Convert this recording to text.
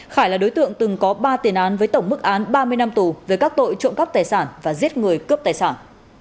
khải là đối tượng từng có ba tiền án với tổng mức án ba mươi năm tù về các tội trộm cắp tài sản và giết người cướp tài sản